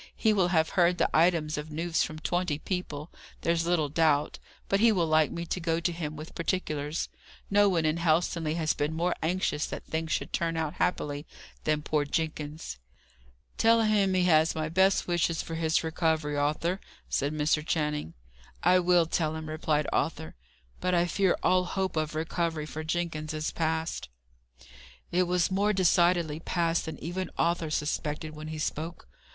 "He will have heard the items of news from twenty people, there's little doubt; but he will like me to go to him with particulars. No one in Helstonleigh has been more anxious that things should turn out happily, than poor Jenkins." "Tell him he has my best wishes for his recovery, Arthur," said Mr. Channing. "I will tell him," replied Arthur. "But I fear all hope of recovery for Jenkins is past." It was more decidedly past than even Arthur suspected when he spoke.